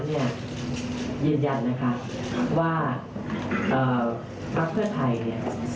ยินยันนะคะว่าพรรคเพื่อไทย